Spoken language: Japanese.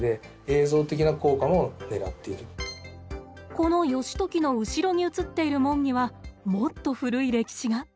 この義時の後ろに映っている門にはもっと古い歴史が。